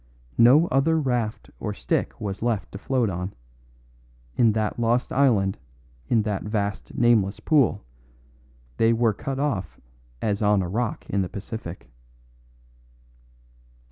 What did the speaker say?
No other raft or stick was left to float on; in that lost island in that vast nameless pool, they were cut off as on a rock in the Pacific.